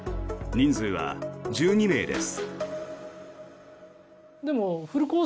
人数は１２名です。